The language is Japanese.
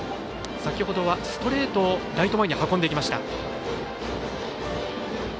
先ほどはストレートをライト前に運んでいきました。